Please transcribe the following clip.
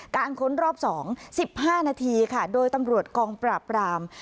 ค้นรอบ๒๑๕นาทีค่ะโดยตำรวจกองปราบราม